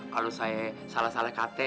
kalau saya salah salah kate